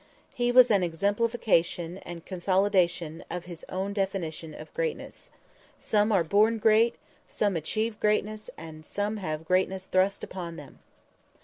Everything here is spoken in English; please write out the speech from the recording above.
He was an exemplification and consolidation of his own definition of greatness: _"Some are born great, some achieve greatness and some have greatness thrust upon them."